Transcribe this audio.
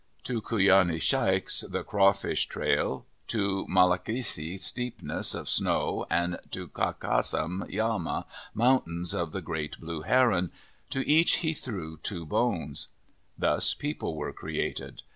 To Kuyani Shaiks, the crawfish trail, to Molaiksi, steepness of snow, and to Kakasam Yama, mountain of the great blue heron, to each he threw two bones. Thus people were created.